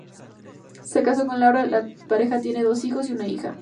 Se casó con Laura, la pareja tiene dos hijos y una hija.